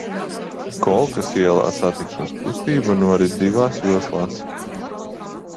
Kolkas ielā satiksmes kustība norit divās joslās.